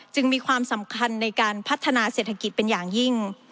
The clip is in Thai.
มีความสำคัญในการพัฒนาเศรษฐกิจเป็นอย่างยิ่ง